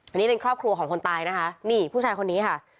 อันนี้เป็นครอบครัวของคนตายนะคะนี่ผู้ชายคนนี้ค่ะ